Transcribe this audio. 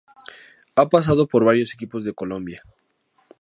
Ha pasado por varios equipos de Colombia.